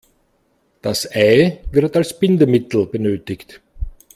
Das Ei wird als Bindemittel benötigt.